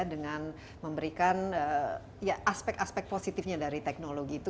dengan memberikan aspek aspek positifnya dari teknologi itu